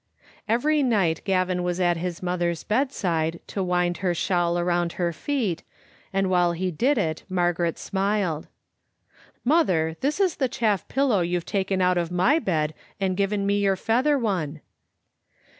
Every night Gavin was at his mother's bedside to wind her shawl round her feet, and while he did it Margaret smiled. " Mother, this is the chaff pillow you've taken out of my bed, and given me your feather one."